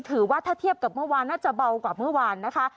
ถือว่าถ้าเทียบกับเมื่อวานน่าจะเบากว่าเมื่อวานนะคะ